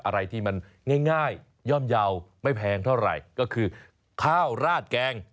อะไรที่มันง่ายย่อมเยาว์ไม่แพงเท่าไหร่ก็คือข้าวราดแกง